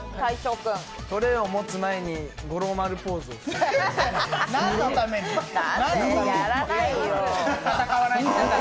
トレーを持つ前に五郎丸ポーズをする。